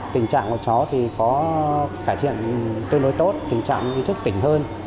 tình trạng của cháu thì có cải thiện tương đối tốt tình trạng nghi thức tỉnh hơn